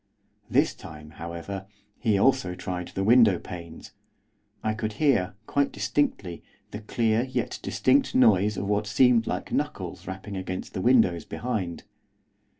This time, however, he also tried the window panes, I could hear, quite distinctly, the clear, yet distinct, noise of what seemed like knuckles rapping against the windows behind.